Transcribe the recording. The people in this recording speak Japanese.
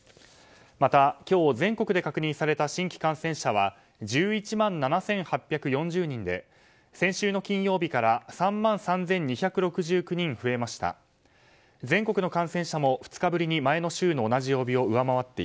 また、今日全国で確認された新規感染者は１１万７８４０人で先週の金曜日から３万３２６９人いよいよ厳しい冬本番。